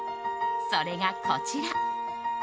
それが、こちら。